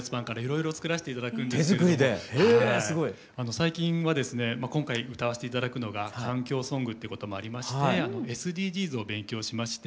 最近はですね今回歌わして頂くのが環境ソングっていうこともありましてＳＤＧｓを勉強しまして。